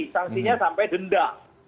sanksinya sampai denda